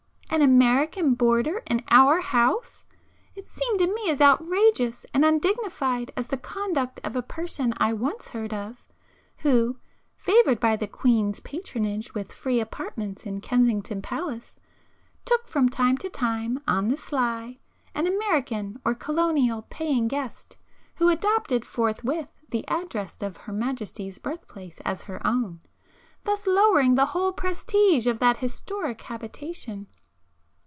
An American boarder in our house!—it seemed to me as outrageous and undignified as the conduct of a person I once heard of, who, favoured by the Queen's patronage with 'free' apartments in Kensington Palace, took from time to time on the sly, an American or Colonial 'paying guest,' who adopted forthwith the address of Her Majesty's birthplace as her own, thus lowering the whole prestige of that historic habitation.